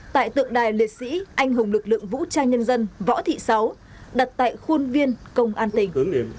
tại tượng đài liệt sĩ anh hùng lực lượng vũ trang nhân dân võ thị sáu đặt tại khuôn viên công an tỉnh